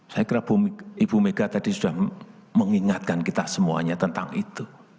saya kira ibu mega tadi sudah mengingatkan kita semuanya tentang itu